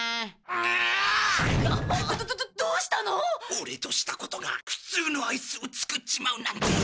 オレとしたことが普通のアイスを作っちまうなんて。